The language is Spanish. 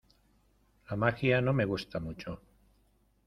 La magia no me gusta mucho.